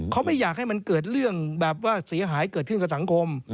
เขาไม่อยากให้มันเกิดเรื่องแบบว่าเสียหายเกิดขึ้นกับสังคม